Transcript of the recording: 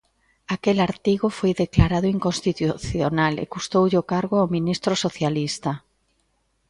Aquel artigo foi declarado inconstitucional e custoulle o cargo ao ministro socialista.